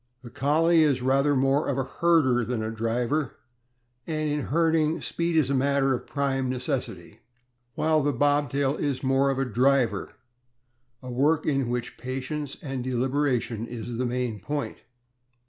The CoDie is rather more of a herder than a driver, and in herding speed is a matter of prime necessity; while the Bobtail is rather more of a driver, a work in which patience and deliberation is a main point.